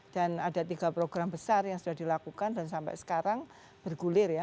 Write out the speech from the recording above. dan ada tiga program besar yang sudah dilakukan dan sampai sekarang bergulir ya